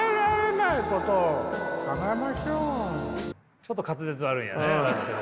ちょっと滑舌悪いんやねラッセルね。